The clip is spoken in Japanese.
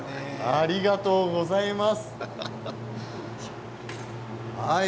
ありがとうございます。